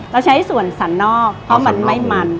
เราใช้ส่วนสันนอกเพราะโจ้ไตยของเรามันไม่มัน